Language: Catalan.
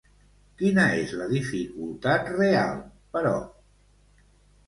Quina és la dificultat real, però?